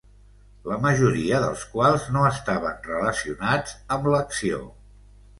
la majoria dels quals no estaven relacionats amb l'acció